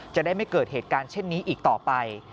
จะได้ไม่เกิดเหตุการณ์เช่นนี้อีกต่อไป